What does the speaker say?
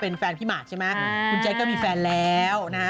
นั่นแน่